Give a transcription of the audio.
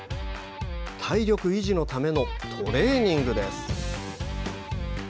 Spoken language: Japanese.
体力維持のためのトレーニングです。